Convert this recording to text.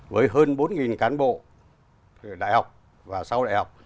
với hơn bốn cán bộ đại học và sau đại học